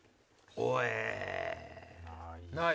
おい！